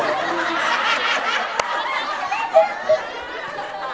ฮ่า